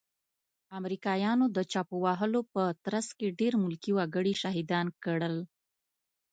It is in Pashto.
امريکايانو د چاپو وهلو په ترڅ کې ډير ملکي وګړي شهيدان کړل.